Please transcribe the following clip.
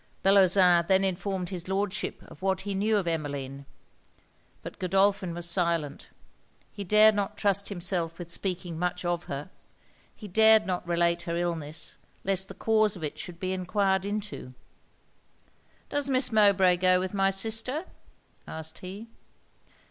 Bellozane then informed his Lordship of what he knew of Emmeline. But Godolphin was silent: he dared not trust himself with speaking much of her; he dared not relate her illness, lest the cause of it should be enquired into. 'Does Miss Mowbray go with my sister?' asked he.